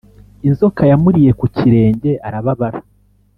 inzoka yamuriye kukirenge arababara